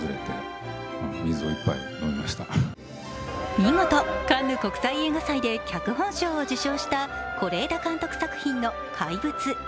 見事、カンヌ国際映画祭で脚本賞を受賞した是枝監督作品の「怪物」。